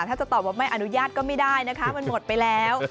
ถ้าจะตอบว่าไม่อนุญาตก็ไม่ได้นะคะมันหมดไปแล้ว